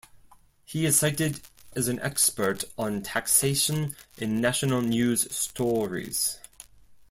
He is cited as an expert on taxation in national news stories.